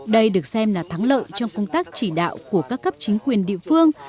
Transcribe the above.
đây được xem là thắng lợi trong công tác chỉ đạo của các cấp chính quyền địa phương